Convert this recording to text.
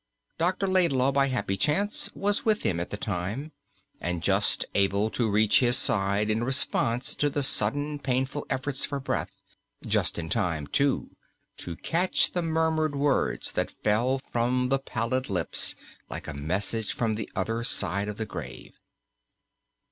Dr. Laidlaw, by happy chance, was with him at the time, and just able to reach his side in response to the sudden painful efforts for breath; just in time, too, to catch the murmured words that fell from the pallid lips like a message from the other side of the grave.